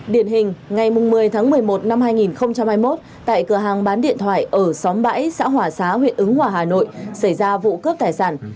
điển hình ngày một mươi tháng một mươi một năm hai nghìn hai mươi một tại cửa hàng bán điện thoại ở xóm bãi xã hòa xá huyện ứng hòa hà nội xảy ra vụ cướp tài sản